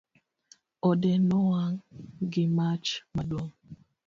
Ode nowang' gi mach maduong'